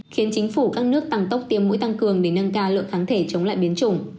khiến chính phủ các nước tăng tốc tiêm mũi tăng cường để nâng cao lượng kháng thể chống lại biến chủng